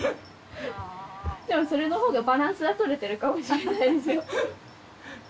でもそれの方がバランスは取れてるかもしれないですよ。